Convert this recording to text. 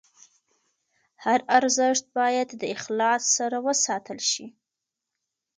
هر ارزښت باید د اخلاص سره وساتل شي.